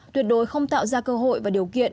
tuyệt đối không tạo ra cơ hội và điều kiện